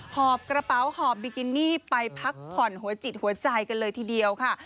หอบกระเป๋าหอบบิกินี่ไปพักผ่อนหัวจิตหัวใจกันเลยทีเดียวค่ะ